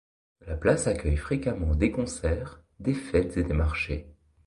La place accueille fréquemment des concerts, des fêtes et des marchés.